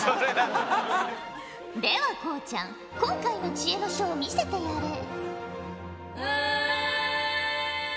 ではこうちゃん今回の知恵の書を見せてやれ。